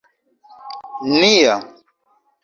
nia